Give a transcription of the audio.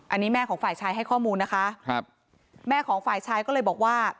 อันนี้แม่ของฝ่ายชายให้ข้อมูลนะคะครับแม่ของฝ่ายชายก็เลยบอกว่า